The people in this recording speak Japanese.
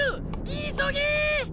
いそげ！